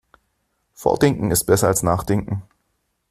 Vordenken ist besser als Nachdenken.